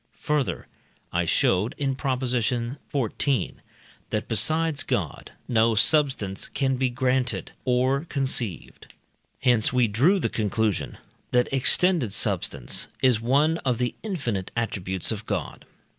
Further, I showed (in Prop. xiv.), that besides God no substance can be granted or conceived. Hence we drew the conclusion that extended substance is one of the infinite attributes of God.